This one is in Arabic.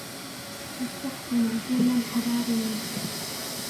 السقف معزول حرارياً.